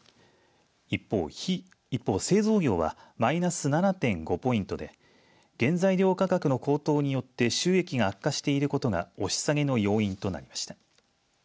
一方、製造業はマイナス７．５ポイントで原材料価格の高騰によって収益が悪化していることが押し下げの要因となりました。